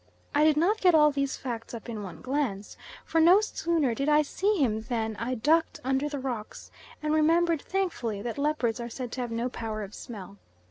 I did not get all these facts up in one glance, for no sooner did I see him than I ducked under the rocks, and remembered thankfully that leopards are said to have no power of smell.